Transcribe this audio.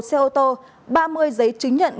một xe ô tô ba mươi giấy chứng nhận